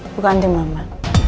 bukan anti mama